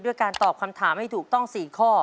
ด้วยการตอบคำถามอย่างถูกต้อง๔ข้อ